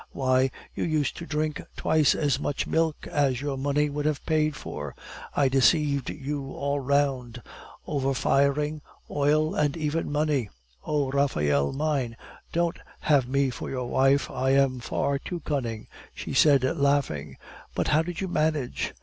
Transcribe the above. Why, you used to drink twice as much milk as your money would have paid for. I deceived you all round over firing, oil, and even money. O Raphael mine, don't have me for your wife, I am far too cunning!" she said laughing. "But how did you manage?"